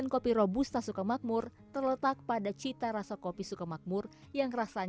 jadi kalau buat saya yang bukan peminum kopi saya lebih senang yang siphon